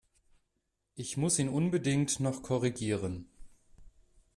Ich muss ihn unbedingt noch korrigieren!